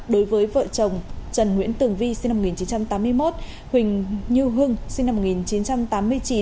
đối với vợ chồng trần nguyễn tường vi sinh năm một nghìn chín trăm tám mươi một huỳnh như hưng sinh năm một nghìn chín trăm tám mươi chín